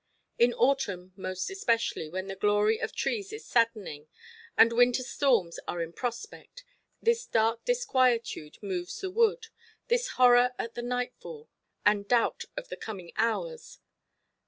In autumn most especially, when the glory of trees is saddening, and winter storms are in prospect, this dark disquietude moves the wood, this horror at the nightfall, and doubt of the coming hours.